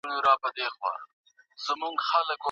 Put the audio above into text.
څه ډول جرمونه د استراداد وړ دي؟